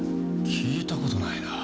聞いた事ないな。